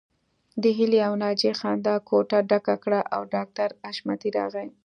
د هيلې او ناجيې خندا کوټه ډکه کړه او ډاکټر حشمتي راغی